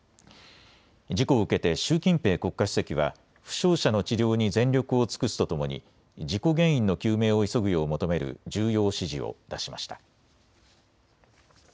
事故を受けて習近平国家主席は負傷者の治療に全力を尽くすとともに事故原因の究明を急ぐよう求める重要指示を出しました。